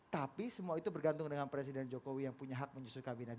tapi semua itu bergantung dengan presiden jokowi yang punya hak menyusul kabinet